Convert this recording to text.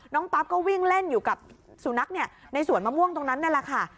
ปั๊บก็วิ่งเล่นอยู่กับสุนัขในสวนมะม่วงตรงนั้นนั่นแหละค่ะ